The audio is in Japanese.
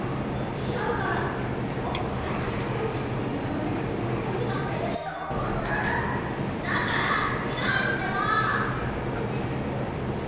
ちがうからおお母さん恋人はまだツバサちゃんには早いと思うわだからちがうってば！